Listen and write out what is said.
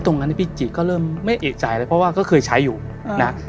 ตรงนั้นพี่จิก็เริ่มไม่เอกใจเลยเพราะว่าก็เคยใช้อยู่นะ